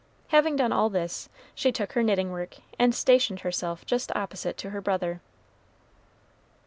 Having done all this, she took her knitting work, and stationed herself just opposite to her brother.